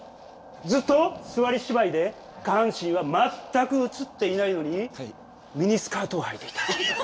ずっと座り芝居で下半身は全く映っていないのにミニスカートをはいていた。